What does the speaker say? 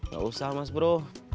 gak usah mas bro